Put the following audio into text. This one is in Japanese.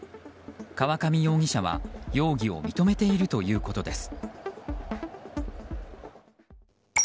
川上容疑者は容疑を認めているということです。